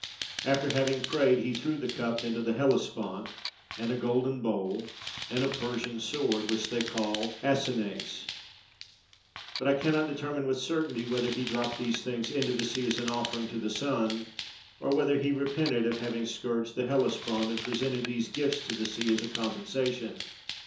After having prayed, he threw the cup into the Hellespont, and a golden bowl, and a Persian sword, which they call acinace ; but I cannot determine with certainty whether he dropped these things into the sea as an offering to the sun, or whether he repented of having scourged the Hellespont, and presented these gifts to the sea as a compensation.